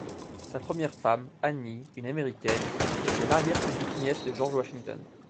Sa première femme, Annie, une Américaine, était l'arrière-petite-nièce de George Washington.